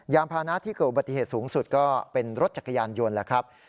พานะที่เกิดอุบัติเหตุสูงสุดก็เป็นรถจักรยานยนต์แล้วครับ